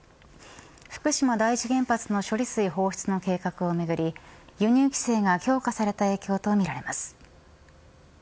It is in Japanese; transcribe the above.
福島第１原発の処理水放出の計画をめぐり輸入規制が強化された影響とみられます。